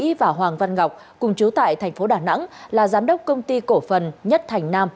tiến sĩ và hoàng văn ngọc cùng chú tại thành phố đà nẵng là giám đốc công ty cổ phần nhất thành nam